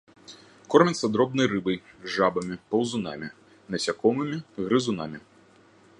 Корміцца дробнай рыбай, жабамі, паўзунамі, насякомымі, грызунамі.